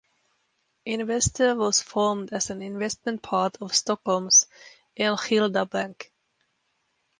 Investor was formed as an investment part of Stockholms Enskilda Bank.